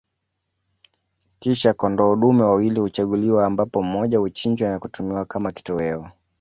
Kisha kondoo dume wawili huchaguliwa ambapo mmoja huchinjwa na kutumiwa kama kitoweo